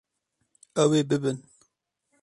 Ew ê bibin.